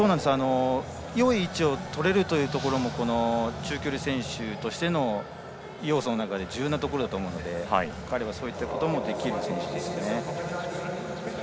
よい位置を取れるのも中距離選手としての要素の中でも重要なところだと思うので彼は、そういったこともできる選手ですね。